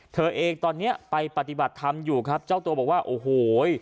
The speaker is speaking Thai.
เธอเองตอนนี้ไปปฏิบัติธรรมอยู่ครับเจ้าตัวบอกว่าโอ้โห